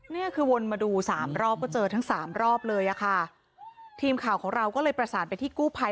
นี่คือวนมาดูสามรอบเพื่อเจอทั้งสามรอบเลยทีมข่าวของเราก็เลยประสานไปที่กู้ไพ